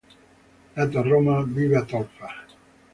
Nato a Roma, vive a Tolfa.